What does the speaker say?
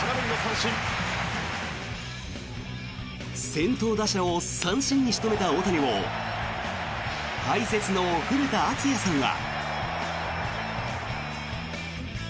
先頭打者を三振に仕留めた大谷を解説の古田敦也さんは。